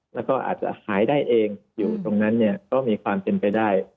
แล้วก็อาจจะหายได้เองอยู่ตรงนั้นเนี่ยก็มีความเป็นไปได้